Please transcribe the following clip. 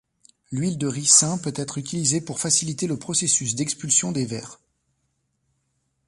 L'huile de ricin pourrait être utilisée pour faciliter le processus d'expulsion des vers.